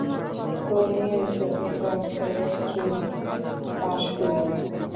তো নিয়ে এসো -কিন্তু, আমি দ্বাদশ শ্রেণী পাশ করিনি।